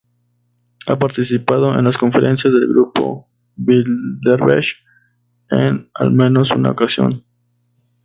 Ha participado en las conferencias del Grupo Bilderberg en al menos una ocasión.